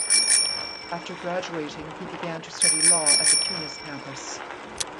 After graduating he began to study law at the Tunis campus.